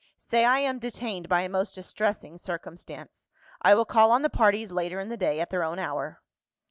"Say I am detained by a most distressing circumstance; I will call on the parties later in the day, at their own hour."